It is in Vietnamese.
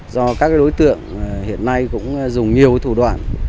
do các đối tượng hiện nay cũng dùng nhiều thủ đoạn